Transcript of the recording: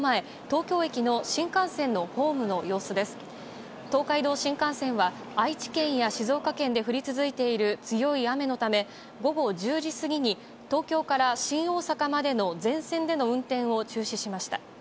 東海道新幹線は愛知県や静岡県で降り続いている強い雨のため午後１０時過ぎに東京から新大阪までの全線での運転を中止しました。